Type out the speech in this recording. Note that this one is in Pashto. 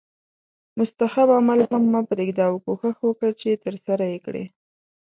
مستحب عمل هم مه پریږده او کوښښ وکړه چې ترسره یې کړې